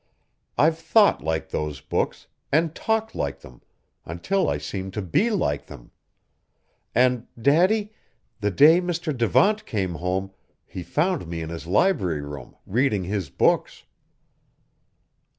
I've thought like those books, and talked like them, until I seem to be like them; and, Daddy, the day Mr. Devant came home, he found me in his library room, reading his books!"